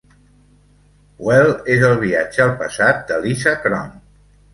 "Well" és el viatge al passat de Lisa Kron.